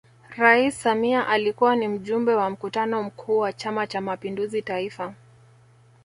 Rais Samia alikuwa ni Mjumbe wa Mkutano Mkuu wa Chama Cha Mapinduzi Taifa